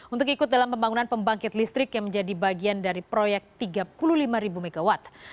untuk ikut dalam pembangunan pembangkit listrik yang menjadi bagian dari proyek tiga puluh lima mw